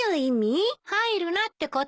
入るなってことよ。